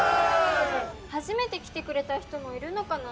初めて来てくれた人もいるのかな？